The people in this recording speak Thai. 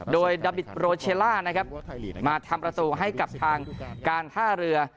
โดยดาบิตโรเชลล่านะครับมาทำประตูให้กับทางการท่าเรือ